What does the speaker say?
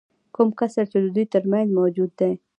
کوم کسر چې د دوی ترمنځ موجود دی